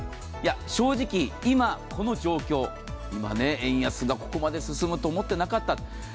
正直、今この状況、円安がここまで進むと思っていなかった。